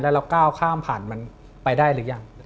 แล้วเราก้าวข้ามผ่านมันไปได้หรือยัง